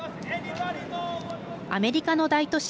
アメリカの大都市